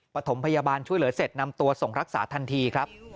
ปฐมพยาบาลช่วยเหลือเสร็จนำตัวส่งรักษาทันทีครับ